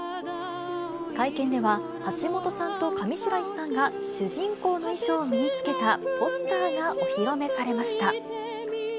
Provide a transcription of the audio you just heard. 会見では、橋本さんと上白石さんが主人公の衣装を身につけたポスターがお披露目されました。